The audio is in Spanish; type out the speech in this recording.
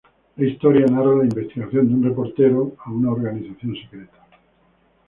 La historia narra la investigación de un reportero a una organización secreta.